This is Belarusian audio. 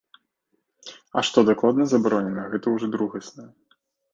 А што дакладна забаронена, гэта ўжо другаснае.